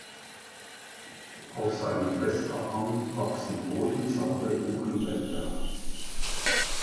Auf seinem Westabhang wachsen bodensaure Buchenwälder.